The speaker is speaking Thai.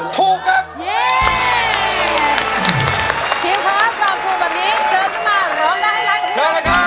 ถูกครับ